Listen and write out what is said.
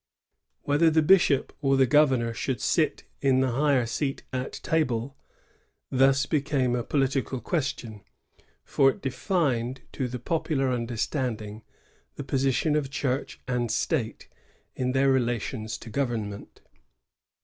Whether the bishop or the governor should sit in the higher seat at table thus became a political question, for it defined to the popular under standing the position of Church and State in their relations to government.